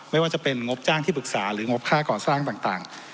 ไม่ว่าจะเป็นงบจ้างที่ปรึกษาหรืองบค่าก่อสร้างต่าง